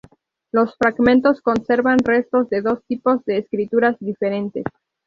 Los fragmentos conservan restos de dos tipos de escrituras diferentes.